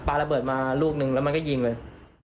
ระเบิดมาลูกนึงแล้วมันก็ยิงเลย